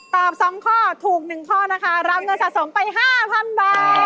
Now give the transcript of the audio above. ตอบ๒ข้อถูก๑ข้อนะคะรับเงินสะสมไป๕๐๐๐บาท